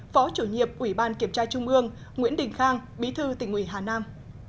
phó chủ nhiệm ủy ban kiểm tra trung ương nguyễn đình khang bí thư tỉnh ủy hà nam